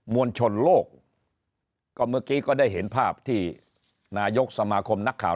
วลชนโลกก็เมื่อกี้ก็ได้เห็นภาพที่นายกสมาคมนักข่าว